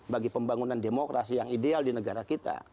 bagi pembangunan demokrasi yang ideal di negara kita